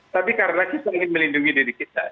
tapi karena kita ingin melindungi diri kita